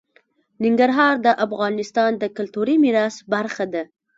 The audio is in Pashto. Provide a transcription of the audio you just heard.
ننګرهار د افغانستان د کلتوري میراث برخه ده.